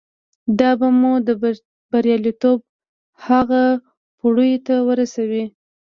دا به مو د برياليتوب هغو پوړيو ته ورسوي.